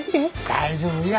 大丈夫や。